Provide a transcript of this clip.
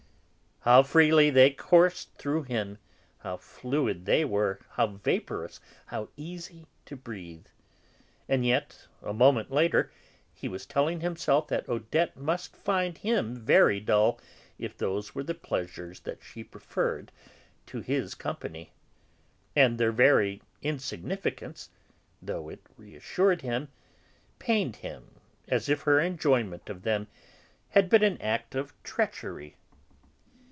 How freely they coursed through him, how fluid they were, how vaporous, how easy to breathe! And yet, a moment later, he was telling himself that Odette must find him very dull if those were the pleasures that she preferred to his company. And their very insignificance, though it reassured him, pained him as if her enjoyment of them had been an act of treachery.